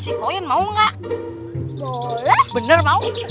semua orang terpenap basis